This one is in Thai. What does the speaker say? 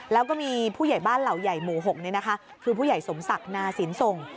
แล้วก็มีผู้ใหญ่บ้านเหล่าใหญ่หมู่๖คือผู้ใหญ่สมศักดิ์นาสินส่ง